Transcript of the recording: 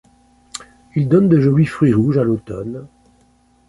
Il donne de jolis fruits rouges à l'automne.